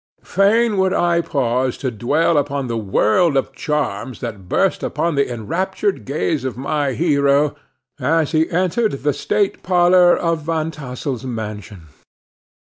Fain would I pause to dwell upon the world of charms that burst upon the enraptured gaze of my hero, as he entered the state parlor of Van Tassel's mansion.